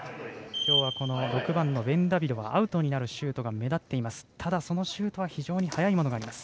きょうは、６番のベンダビドがアウトになるシュートが目立っています。